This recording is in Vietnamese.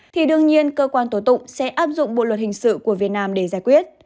thì đương nhiên cơ quan tổ tụng sẽ áp dụng bộ luật hình sự của việt nam để giải quyết